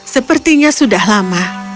sepertinya sudah lama